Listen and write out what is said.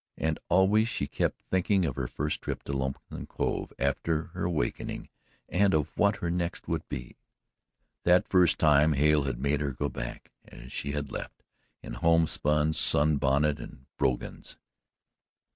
And always she kept thinking of her first trip to Lonesome Cove after her awakening and of what her next would be. That first time Hale had made her go back as she had left, in home spun, sun bonnet and brogans.